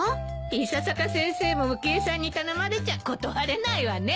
伊佐坂先生も浮江さんに頼まれちゃ断れないわね。